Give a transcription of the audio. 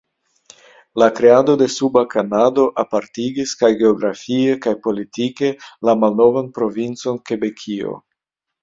La kreado de Suba Kanado apartigis kaj geografie kaj politike la malnovan provincon Kebekio.